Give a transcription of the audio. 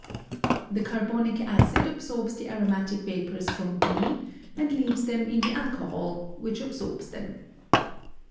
The carbonic acid absorbs the aromatic vapors from B and leaves them in the alcohol which absorbs them.